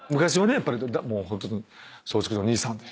やっぱりもうホントに松竹の兄さんで。